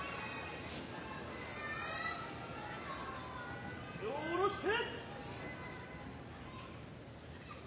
手を下ろして。